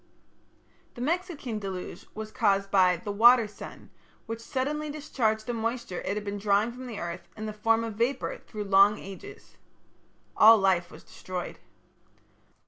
The Mexican deluge was caused by the "water sun", which suddenly discharged the moisture it had been drawing from the earth in the form of vapour through long ages. All life was destroyed.